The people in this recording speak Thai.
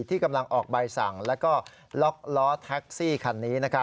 ที่กำลังออกใบสั่งแล้วก็ล็อกล้อแท็กซี่คันนี้